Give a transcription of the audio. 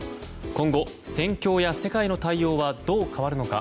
今後、戦況や世界の対応はどう変わるのか。